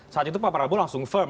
saat itu pak prabowo langsung firm